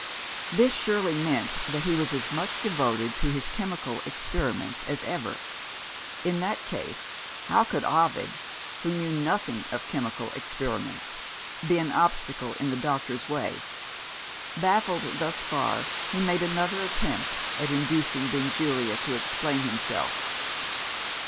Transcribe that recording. This surely meant that he was as much devoted to his chemical experiments as ever? In that case, how could Ovid (who knew nothing of chemical experiments) be an obstacle in the doctor's way? Baffled thus far, he made another attempt at inducing Benjulia to explain himself.